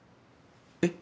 えっ？